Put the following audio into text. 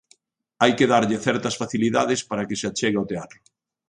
Hai que darlle certas facilidades para que se achegue ao teatro.